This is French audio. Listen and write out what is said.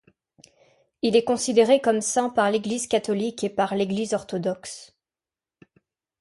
Il est considéré comme saint par l'Église catholique et par l'Église orthodoxe.